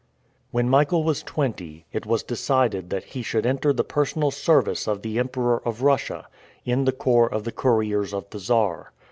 When Michael was twenty, it was decided that he should enter the personal service of the Emperor of Russia, in the corps of the couriers of the Czar.